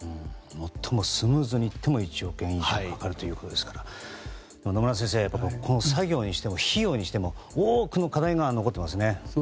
最もスムーズにいっても１億円以上かかるということですから野村先生作業にしても費用にしても多くの課題が残っていますね。